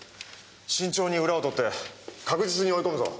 慎重に裏を取って確実に追い込むぞ！